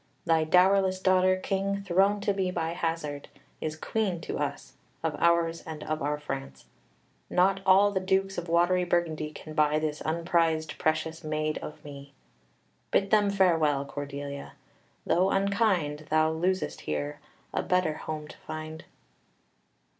Thy dowerless daughter, King, thrown to me by hazard, is Queen of us, of ours, and of our France; not all the Dukes of watery Burgundy can buy this unprized, precious maid of me. Bid them farewell, Cordelia, though unkind; thou losest here, a better home to find."